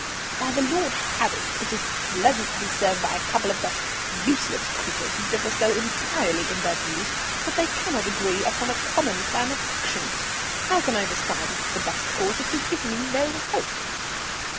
"By the Lord Harry, it's pleasant to be served by a couple of such useless creatures who differ so entirely in their views that they cannot agree upon a common plan of action. How can I decide as to the best course if you give me no help?"